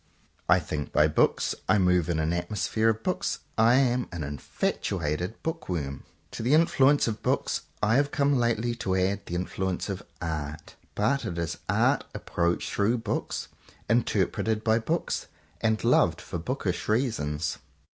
I think by books; I move in an atmosphere of books; I am an infatuated bookworm. To the influence of books I have come lately to add the in fluence of Art; but it is Art approached through books, interpreted by books, and loved for bookish reasons.